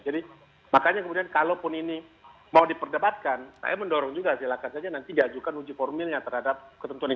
jadi makanya kemudian kalaupun ini mau diperdebatkan saya mendorong juga silakan saja nanti diajukan uji formilnya terhadap ketentuan ini